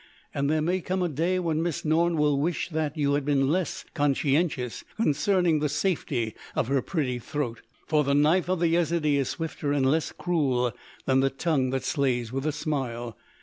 And there may come a day when Miss Norne will wish that you had been less conscientious concerning the safety of her pretty throat.... For the knife of the Yezidee is swifter and less cruel than the tongue that slays with a smile....